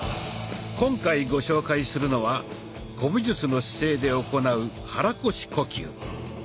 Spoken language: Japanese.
今回ご紹介するのは古武術の姿勢で行う肚腰呼吸。